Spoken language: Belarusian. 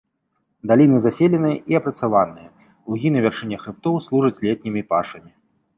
Даліны заселены і апрацаваныя, лугі на вяршынях хрыбтоў служаць летнімі пашамі.